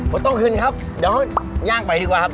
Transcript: ปะต้องขึ้นครับเดี๋ยวน้อยยากไปดีกว่าครับ